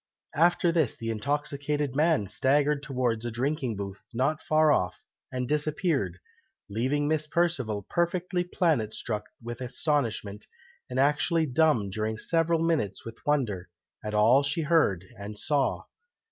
After this the intoxicated man staggered towards a drinking booth not far off, and disappeared, leaving Miss Perceval perfectly planet struck with astonishment, and actually dumb during several minutes with wonder, at all she heard and saw.